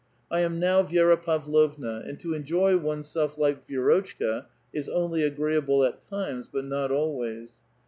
I am now Vi^ra Pavlovua, aud to enjoy one's self like Vi^rotchka is only agreeable at times, but not always.